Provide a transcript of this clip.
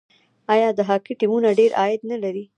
آیا د هاکي ټیمونه ډیر عاید نلري؟